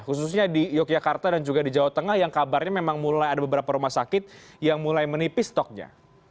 khususnya di yogyakarta dan juga di jawa tengah yang kabarnya memang mulai ada beberapa rumah sakit yang mulai menipis stoknya